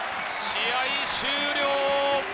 試合終了。